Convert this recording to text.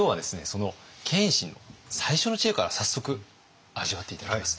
その謙信の最初の知恵から早速味わって頂きます。